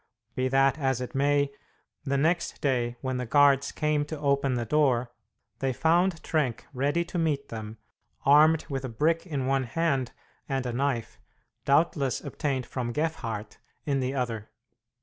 Be that as it may, the next day, when the guards came to open the door, they found Trenck ready to meet them, armed with a brick in one hand, and a knife, doubtless obtained from Gefhardt, in the other.